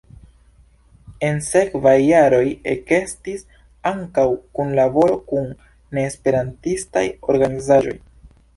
En sekvaj jaroj ekestis ankaŭ kunlaboro kun ne-esperantistaj organizaĵoj.